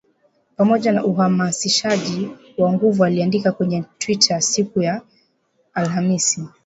pamoja na uhamasishaji wa nguvu aliandika kwenye Twita siku ya Alhamisi